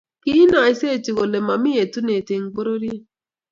Kiinaisechi kole mami etunet eng pororiet